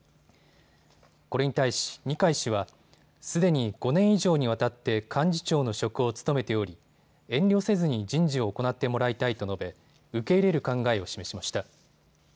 これに対し二階氏はすでに５年以上にわたって幹事長の職を務めており遠慮せずに人事を行ってもらいたいと述べ受け入れる考えを示しました。